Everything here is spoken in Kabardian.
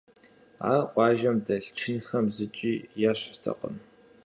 Ар къуажэм дэлъ чынхэм зыкӀи ещхьтэкъым.